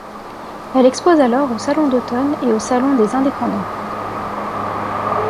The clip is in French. Elle expose alors au Salon d'automne et au Salon des indépendants.